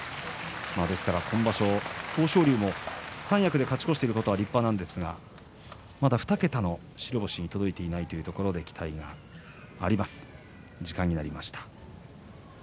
今場所、豊昇龍も三役で勝ち越していることは立派ですがまた２桁の白星に届いていないというところで期待があります。